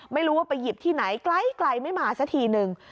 ไม่รู้ว่าไปหยิบที่ไหนไกลไม่มาสักทีนึง